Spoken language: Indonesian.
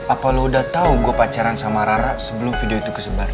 apa lo udah tau gue pacaran sama rara sebelum video itu kesebar